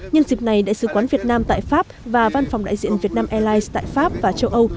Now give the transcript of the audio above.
nhân dịp này đại sứ quán việt nam tại pháp và văn phòng đại diện việt nam airlines tại pháp và châu âu